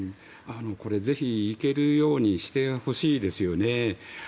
これ、ぜひ行けるようにしてほしいですよね。